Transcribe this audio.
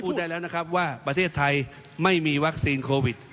ได้แล้วนะครับว่าประเทศไทยไม่มีวัคซีนโควิด